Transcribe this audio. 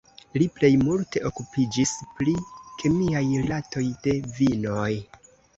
Li plej multe okupiĝis pri kemiaj rilatoj de vinoj.